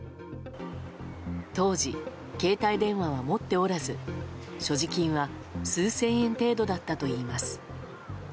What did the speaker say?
当時、携帯電話は持っておらず所持金は数千円程度だったといいます。